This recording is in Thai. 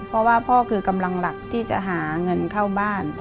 เพราะว่าพ่อคือกำลังหลักที่จะหาเงินเข้าบ้าน